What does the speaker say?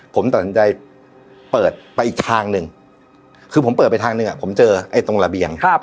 ผมตัดสินใจเปิดไปอีกทางหนึ่งคือผมเปิดไปทางหนึ่งผมเจอไอ้ตรงระเบียง